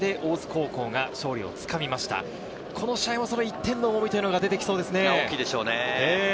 その時は、その１点の重みが出てきそうですね。